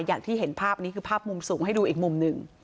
อย่างที่เห็นภาพนี้คือภาพมุมสูงให้ดูอีกมุมหนึ่ง